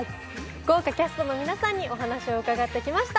豪華キャストの皆さんにお話を伺ってきました